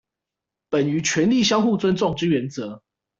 本於權力相互尊重之原則